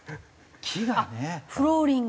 木がね。